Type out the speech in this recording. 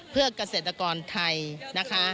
เพื่อกเกษตรกรไทย